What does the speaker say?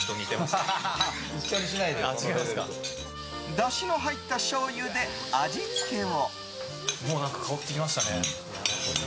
だしの入ったしょうゆで味付けを。